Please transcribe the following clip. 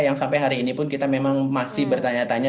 yang sampai hari ini pun kita memang masih bertanya tanya